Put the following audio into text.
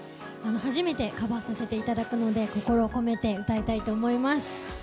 初めてカバーさせていただくので心を込めて歌いたいと思います。